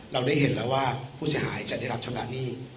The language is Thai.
เราได้เห็นแล้วว่าผู้เสียหายจะได้รับชำระหนี้